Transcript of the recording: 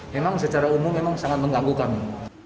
memang secara umum memang sangat mengganggu kami